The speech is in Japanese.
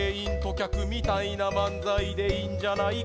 きゃくみたいなまんざいでいいんじゃないか？